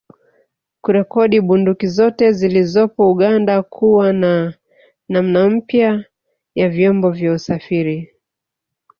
Kurekodi bunduki zote zilizopo Uganda kuwa na namna mpya ya vyombo vya usafiri